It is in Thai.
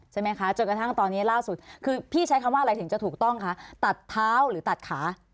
จนกระทั่งตอนนี้ล่าสุดคือพี่ใช้คำว่าอะไรถึงจะถูกต้องคะตัดเท้าหรือตัดขา